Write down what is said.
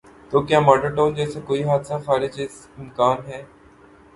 تو کیا ماڈل ٹاؤن جیسا کوئی حادثہ خارج از امکان ہے؟